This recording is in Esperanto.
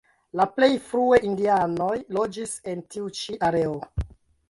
La plej frue indianoj loĝis en tiu ĉi areo.